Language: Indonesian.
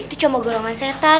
itu cuma golongan setan